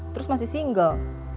terus masih single